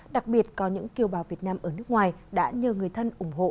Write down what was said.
đặc biệt có những kiều bào việt nam ở nước ngoài đã nhờ người thân ủng hộ